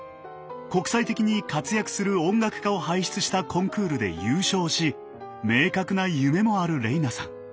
国際的に活躍する音楽家を輩出したコンクールで優勝し明確な夢もある玲那さん。